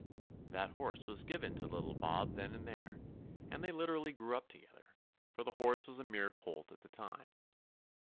That horse was given to little Bob then and there, and they literally grew up together, for the horse was a mere colt at the time.